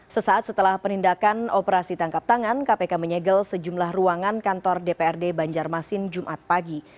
sesaat setelah penindakan operasi tangkap tangan kpk menyegel sejumlah ruangan kantor dprd banjarmasin jumat pagi